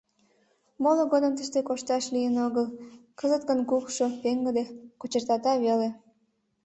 Моло годым тыште кошташ лийын огыл, кызыт гын кукшо, пеҥгыде, кочыртата веле.